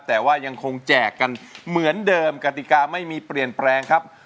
แต่ว่ายังคงแจกกันเหมือนเดิมกติกาไม่มีเปลี่ยนแปลงครับ